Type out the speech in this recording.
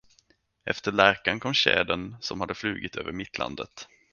Efter lärkan kom tjädern, som hade flugit över mittlandet.